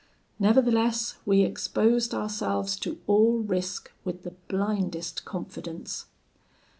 Nevertheless, we exposed ourselves to all risk with the blindest confidence.